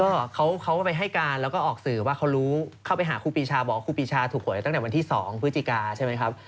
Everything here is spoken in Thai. ก็เขาไปให้การแล้วก็ออกสื่อว่าเขารู้เข้าไปหาครูปีชาบอกว่าครูปีชาถูกหวยตั้งแต่วันที่๒พฤศจิกาใช่ไหมครับ